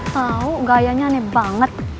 tau gayanya aneh banget